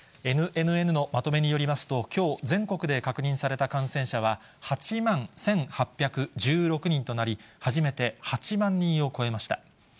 ＮＮＮのまとめによりますと、きょう全国で確認された感染者は、８万１８１６人となり、初めて８万人を超えました。